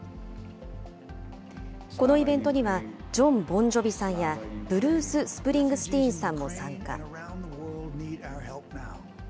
このイベントには、ジョン・ボン・ジョヴィさんや、ブルース・スプリングスティーンさんも参加。